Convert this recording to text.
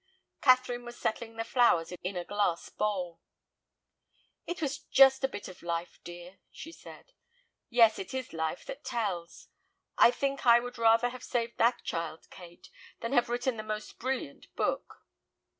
Catherine was settling the flowers in a glass bowl. "It was just a bit of life, dear," she said. "Yes, it is life that tells. I think I would rather have saved that child, Kate, than have written the most brilliant book."